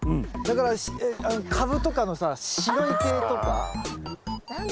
だからカブとかのさ白い系とか。